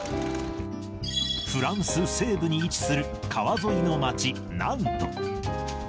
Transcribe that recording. フランス西部に位置する川沿いの町、ナント。